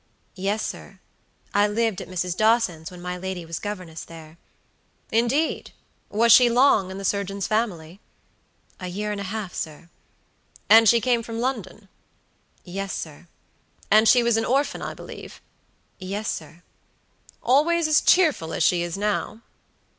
"Yes, sir. I lived at Mrs. Dawson's when my lady was governess there." "Indeed! Was she long in the surgeon's family?" "A year and a half, sir." "And she came from London?" "Yes, sir." "And she was an orphan, I believe?" "Yes, sir." "Always as cheerful as she is now?"